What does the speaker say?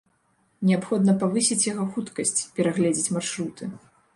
Неабходна павысіць яго хуткасць, перагледзець маршруты.